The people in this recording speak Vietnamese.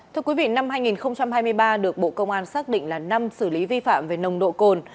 thưa quý vị năm hai nghìn hai mươi ba được bộ công an xác định là năm xử lý vi phạm về nồng độ cồn